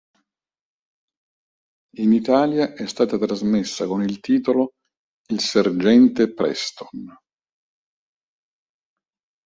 In Italia è stata trasmessa con il titolo "Il sergente Preston".